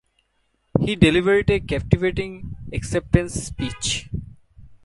He delivered a captivating acceptance speech.